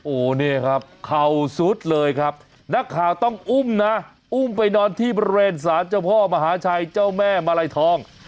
โอ้โหนี่ครับเข่าสุดเลยครับนักข่าวต้องอุ้มนะอุ้มไปนอนที่บริเวณสารเจ้าพ่อมหาชัยเจ้าแม่มาลัยทอง